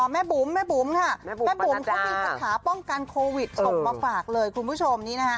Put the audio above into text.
บุ๋มแม่บุ๋มค่ะแม่บุ๋มเขามีคาถาป้องกันโควิดส่งมาฝากเลยคุณผู้ชมนี้นะคะ